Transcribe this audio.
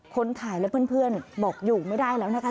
คนถ่ายและเพื่อนบอกอยู่ไม่ได้แล้วนะคะ